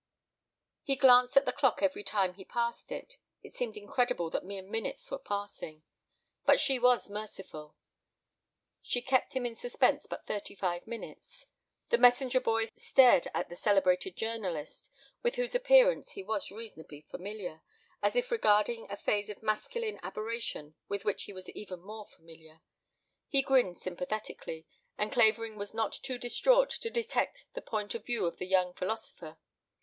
He glanced at the clock every time he passed it. It seemed incredible that mere minutes were passing. But she was merciful. She kept him in suspense but thirty five minutes. The messenger boy stared at the celebrated journalist, with whose appearance he was reasonably familiar, as if regarding a phase of masculine aberration with which he was even more familiar. He grinned sympathetically, and Clavering was not too distraught to detect the point of view of the young philosopher.